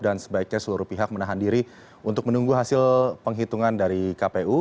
dan sebaiknya seluruh pihak menahan diri untuk menunggu hasil penghitungan dari kpu